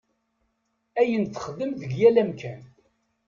Ayen texdem deg yal amkan.